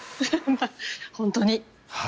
本当に。